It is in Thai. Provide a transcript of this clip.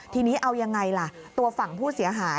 ทีนี้เอายังไงล่ะตัวฝั่งผู้เสียหาย